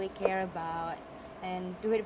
lakukan untuk orang yang kamu cintai